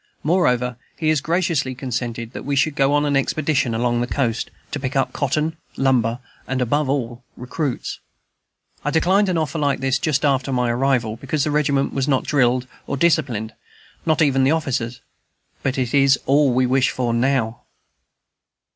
Moreover, he has graciously consented that we should go on an expedition along the coast, to pick up cotton, lumber, and, above all, recruits. I declined an offer like this just after my arrival, because the regiment was not drilled or disciplined, not even the officers; but it is all we wish for now.